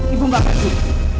ibu gak kasihan